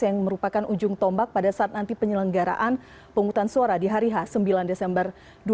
yang merupakan ujung tombak pada saat nanti penyelenggaraan penghutang suara di hari h sembilan desember dua ribu dua puluh